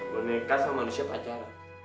gue nikah sama manusia pacaran